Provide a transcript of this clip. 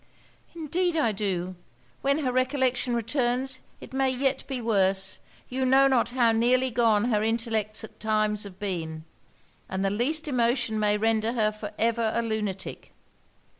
'Indeed I do. When her recollection returns, it may yet be worse; you know not how nearly gone her intellects have at times been, and the least emotion may render her for ever a lunatic.'